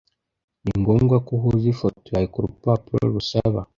ni ngombwa ko uhuza ifoto yawe kurupapuro rusaba